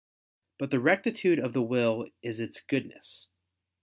But the rectitude of the will is its goodness.